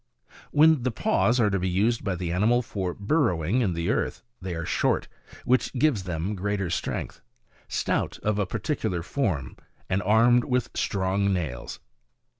When the paws are to be used by the animal for burrow ing in the earth, they are short, (which gives them greater strength,) stout, of a particular form, and armed with strong nails.